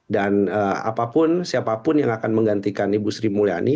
dan apapun siapapun yang akan menggantikan ibu sri mulyani